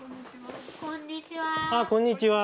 あっこんにちは。